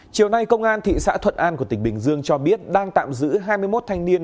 chiều nay công an thị xã thuận an của tỉnh bình dương cho biết đang tạm giữ hai mươi một thanh niên